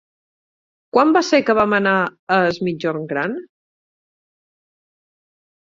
Quan va ser que vam anar a Es Migjorn Gran?